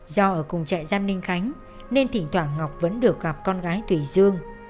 do ở cùng trại giam ninh khánh nên thỉnh thoảng ngọc vẫn được gặp con gái thủy dương